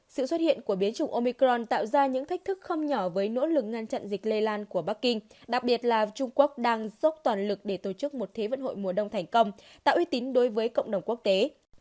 sự xuất hiện của biến chủng omicron tạo ra những thách thức không nhỏ với nỗ lực ngăn chặn dịch lây lan của bắc kinh đặc biệt là trung quốc đang dốc toàn lực để tổ chức một thế vận hội mùa đông thành công tạo uy tín đối với cộng đồng quốc tế